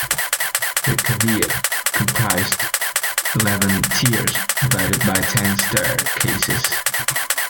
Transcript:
The cavea comprised eleven tiers divided by ten staircases.